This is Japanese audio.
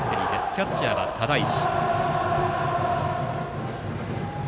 キャッチャーは只石。